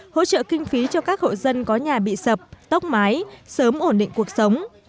hỗ trợ kinh phí cho các hội dân có nhà bị sập tốc máy sớm ổn định cuộc sống